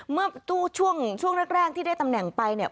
เมื่อช่วงแรกที่ได้ตำแหน่งไปเนี่ย